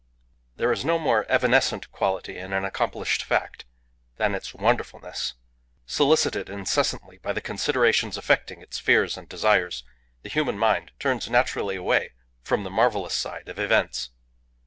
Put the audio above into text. There is no more evanescent quality in an accomplished fact than its wonderfulness. Solicited incessantly by the considerations affecting its fears and desires, the human mind turns naturally away from the marvellous side of events.